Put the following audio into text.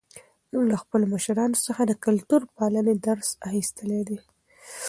موږ له خپلو مشرانو څخه د کلتور پالنې درس اخیستی دی.